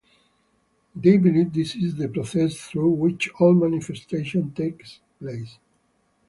They believe this is the process through which all manifestation takes place.